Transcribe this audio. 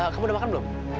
kamu udah makan belum